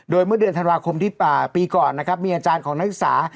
โดยเมื่อเดือนธันวาคมที่ปีก่อนนะครับมีอาจารย์ของนักศึกษา